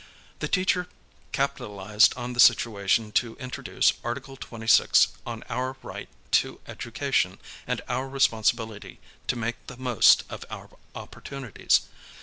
The teacher capitalized on the situation to introduce Article 26 on our right to education, and our responsibility to make the most of our opportunities.